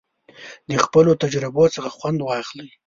د خپلو تجربو څخه خوند واخلئ.